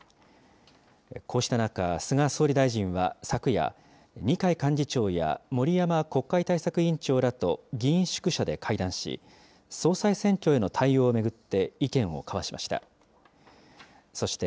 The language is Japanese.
こうした中、菅総理大臣は昨夜、二階幹事長や森山国会対策委員長らと議員宿舎で会談し、総裁選挙への対応を巡って、意見を交わしました。